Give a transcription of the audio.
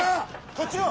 こっちを！